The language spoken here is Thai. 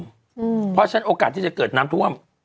เพราะฉะนั้นโอกาสที่จะเกิดน้ำท่วม